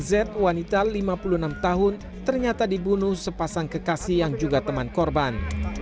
z wanita lima puluh enam tahun ternyata dibunuh sepasang kekasih yang juga teman korban